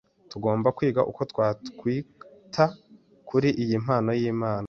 Tugomba kwiga uko twakwita kuri iyi mpano y’Imana